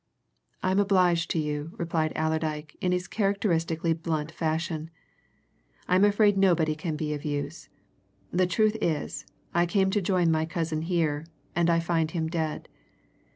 "I'm obliged to you," replied Allerdyke, in his characteristically blunt fashion. "I'm afraid nobody can be of use. The truth is, I came to join my cousin here, and I find him dead.